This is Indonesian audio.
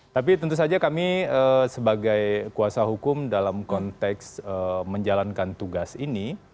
tapi tentu saja kami sebagai kuasa hukum dalam konteks menjalankan tugas ini